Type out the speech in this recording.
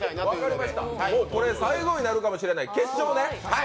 これ最後になるかもしれない、決勝ね。